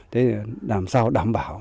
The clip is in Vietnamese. thế làm sao đảm bảo